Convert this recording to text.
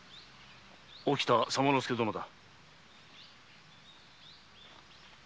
沖田左馬助殿だ。